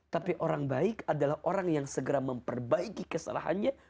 tapi orang baik adalah orang yang segera memperbaiki kesalahannya